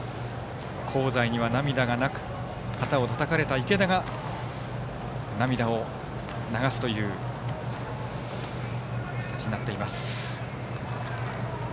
香西には涙がなく肩をたたかれた池田が涙を流すという形になっています。